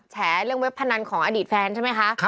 แฉเรื่องเว็บพนันของอดีตแฟนใช่ไหมคะ